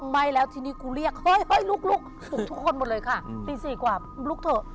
ไม่แล้วทีนี้กูเรียกเฮ้ยลุกทุกคนหมดเลยค่ะตี๔กว่าลุกเถอะ